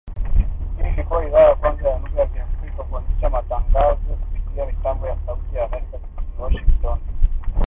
Hii ilikua idhaa ya kwanza ya lugha ya Kiafrika kuanzisha matangazo kupitia mitambo ya Sauti ya Amerika jijini Washington.